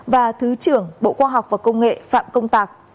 và thứ trưởng bộ khoa học và công nghệ phạm công tạc